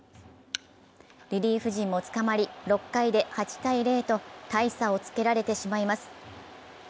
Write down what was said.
リリーフ陣もつかまり、６回で８−０と大差をつけられてしまいます。